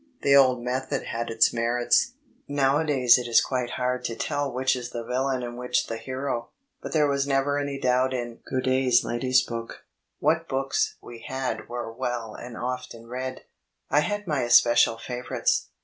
The old method had its merits. Nowadays it is quite hard to tell which is the villain and which the hero. But there was never any doubt in Godey's Lady's Book. What books we had were well and often read. I had my especial favourires.